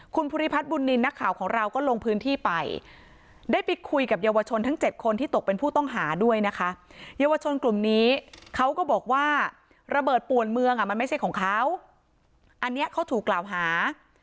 คุณพุทธิพัฒน์บุญนินทร์นักข่าวของเราก็ลงพื้นที่ไปได้ไปคุยกับเยาวชนทั้งเจ็ดคนที่ตกเป็นผู้ต้องหาด้วยนะคะ